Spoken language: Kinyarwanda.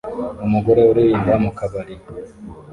Umugore uririmba mukabari